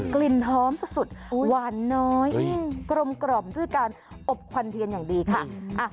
กลิ่นหอมสุดหวานน้อยกลมด้วยการอบควันเทียนอย่างดีค่ะ